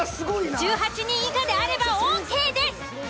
１８人以下であればＯＫです。